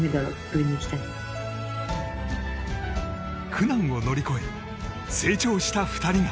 苦難を乗り越え成長した２人が。